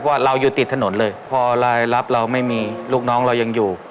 ว่าเราอยู่ติดถนนเลยพอรายรับเราไม่มีลูกน้องเรายังอยู่